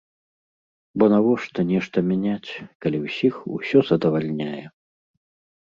Бо навошта нешта мяняць, калі ўсіх усё задавальняе?